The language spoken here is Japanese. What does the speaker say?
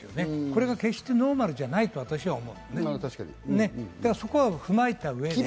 これが決してノーマルじゃないと私は思っていてね、そこを踏まえた上で。